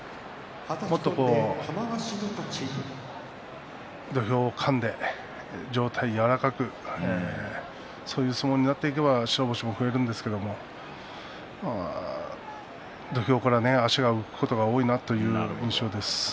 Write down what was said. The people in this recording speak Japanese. もっと、土俵をかんで上体、柔らかくそういう相撲になっていけば白星も増えるんですが土俵から足が浮くことが多いなという印象です。